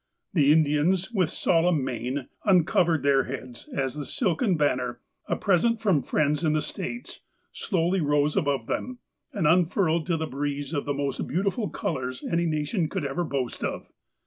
The Indians, with solemn mien, uncovered their heads, as the silken banner, a present from friends in the States, slowly rose above them, and unfurled to the breeze the most beautiful colours any nation could ever boast of.